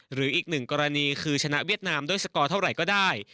หรืออีกหนึ่งกรณีคือชนะเวียดนามด้วยสกอร์เท่าไหร่ก็ได้